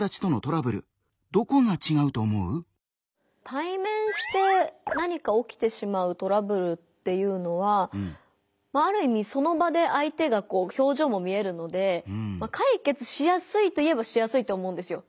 対面して何か起きてしまうトラブルっていうのはまあある意味その場で相手がこう表情も見えるので解決しやすいといえばしやすいと思うんですよ。